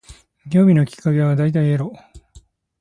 興味のきっかけは大体エロ